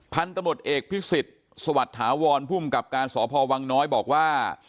พันธมตเอกพิสิทธิ์สวัสดิ์ถาวรภูมิกับการสพวังน้อยบอกว่า